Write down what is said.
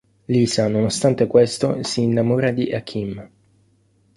Lisa, nonostante questo, si innamora di Akeem.